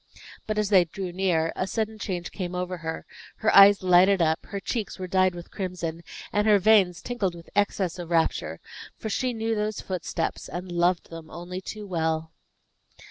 But, as they drew near, a sudden change came over her; her eyes lighted up, her cheeks were dyed with crimson, and her veins tingled with excess of rapture for she knew those footsteps, and loved them, only too well.